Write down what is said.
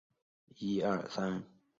当时奥克兰市只有大约六千人口。